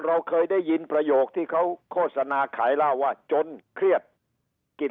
เราเคยได้ยินประโยคที่เขาโฆษณาขายเหล้าว่าจนเครียดกิน